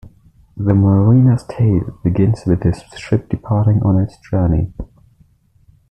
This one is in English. The mariner's tale begins with his ship departing on its journey.